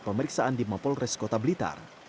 pemeriksaan di mapolres kota blitar